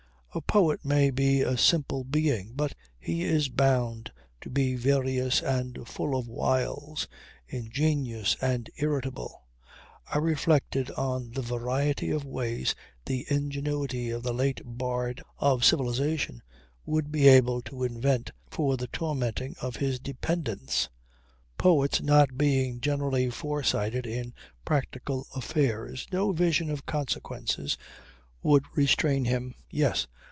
A poet may be a simple being but he is bound to be various and full of wiles, ingenious and irritable. I reflected on the variety of ways the ingenuity of the late bard of civilization would be able to invent for the tormenting of his dependants. Poets not being generally foresighted in practical affairs, no vision of consequences would restrain him. Yes.